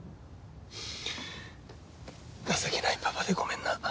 情けないパパでごめんな。